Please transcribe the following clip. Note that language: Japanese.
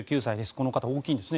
この方大きいんですね